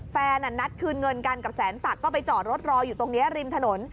แฟนนัดคืนเงินกับแสนศักดิ์ไปจอดรถรออยู่ตรงถนน